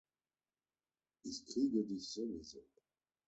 Ich kriege dich sowieso!